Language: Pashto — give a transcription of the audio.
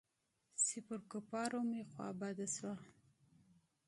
چې پر کفارو مې خوا بده سوه.